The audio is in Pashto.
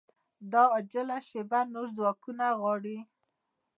دا عاجله شېبه نور ځواکونه غواړي